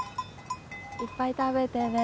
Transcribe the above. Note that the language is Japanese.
いっぱい食べてね。